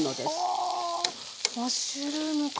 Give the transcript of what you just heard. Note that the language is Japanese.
はあマッシュルームか。